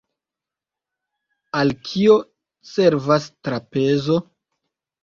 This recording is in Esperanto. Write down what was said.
Al kio servas trapezo?